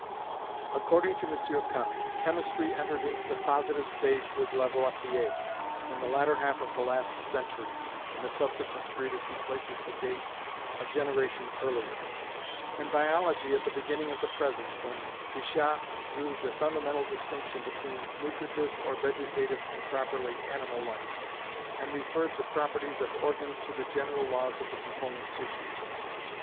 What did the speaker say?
According to M. Comte, chemistry entered into the positive stage with Lavoisier, in the latter half of the last century (in a subsequent treatise he places the date a generation earlier); and biology at the beginning of the present, when Bichat drew the fundamental distinction between nutritive or vegetative and properly animal life, and referred the properties of organs to the general laws of the component tissues.